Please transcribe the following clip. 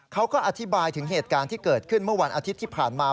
เขาก็อธิบายถึงเหตุการณ์ที่เกิดขึ้นเมื่อวันอาทิตย์ที่ผ่านมา